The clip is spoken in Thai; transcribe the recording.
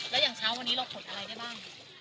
แล้วอย่างเช้าวันนี้เรากดอะไรได้บ้าง